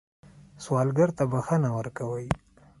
سوالګر ته بښنه ورکوئ